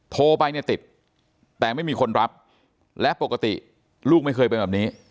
โทรไปเนี่ยติดแต่ไม่มีคนรับและปกติลูกไม่เคยเป็นแบบนี้